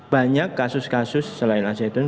banyak kasus kasus selain asetun